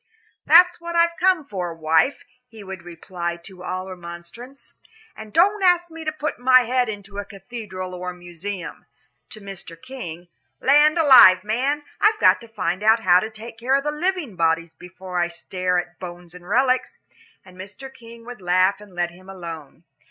"That's what I've come for, wife," he would reply to all remonstrance, "and don't ask me to put my head into a cathedral or a museum." To Mr. King, "Land alive, man, I've got to find out how to take care of living bodies before I stare at bones and relics," and Mr. King would laugh and let him alone.